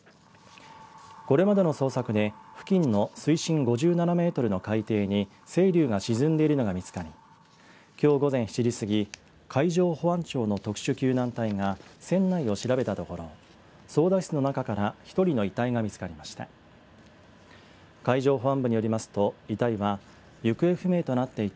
これまでの捜査で付近の水深５７メートルの海底にせいりゅうが沈んでいるのが見つかりきょう午前７時過ぎ海上保安庁の特殊救難隊が船内を調べたところ操だ室の中から１人の遺体が見つかりました。